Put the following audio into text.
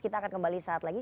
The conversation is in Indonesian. kita akan kembali saat lagi